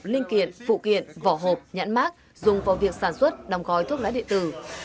linh kiện phụ kiện vỏ hộp nhãn mác dùng vào việc sản xuất đồng gói thuốc lá điện tử